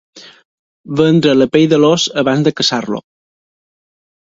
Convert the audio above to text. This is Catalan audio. Vendre la pell de l'os abans de caçar-lo.